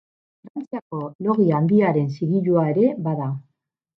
Frantziako Logia Handiaren zigilua ere bada.